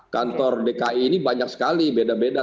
kantor dki ini banyak sekali beda beda